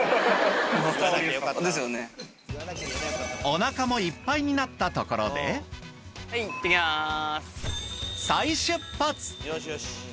おなかもいっぱいになったところでいってきます。